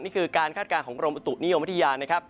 นี่คือการคาดการณ์ของโปรตุนิยมพฤยานะครับ